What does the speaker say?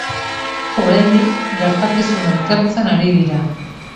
Oraindik gertakizuna ikertzen ari dira.